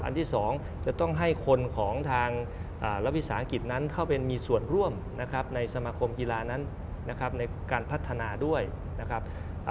อันที่๒จะต้องให้คนของทางระวิสาหกิจนั้นเข้าไปมีส่วนร่วมในสมคมกีฬานั้นในการพัฒนาด้วยนะครับ